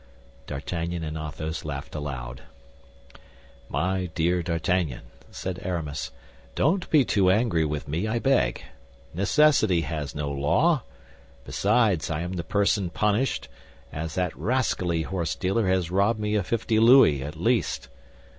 D'Artagnan and Athos laughed aloud. "My dear D'Artagnan," said Aramis, "don't be too angry with me, I beg. Necessity has no law; besides, I am the person punished, as that rascally horsedealer has robbed me of fifty louis, at least.